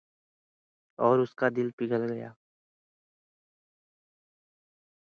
Rodber and his forwards were quite stupendous from first to last.